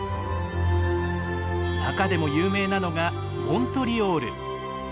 中でも有名なのがモントリオール。